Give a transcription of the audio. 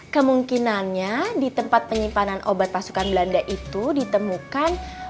kemungkinannya di tempat penyimpanan obat pasukan belanda itu ditemukan